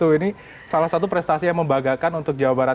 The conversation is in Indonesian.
ini salah satu prestasi yang membagakan untuk jawa barat